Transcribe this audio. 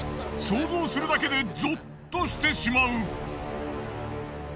想像するだけでゾッとしてしまう。